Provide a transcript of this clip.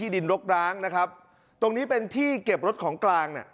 ดินรกร้างนะครับตรงนี้เป็นที่เก็บรถของกลางน่ะ